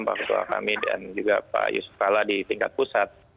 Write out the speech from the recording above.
pak ketua kami dan juga pak yusuf kalla di tingkat pusat